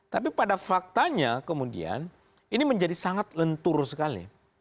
tapi pada faktanya kemudian ini menjadi sangat lentur sekali